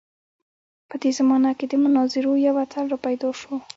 په دې زمانه کې د مناظرو یو اتل راپیدا شو.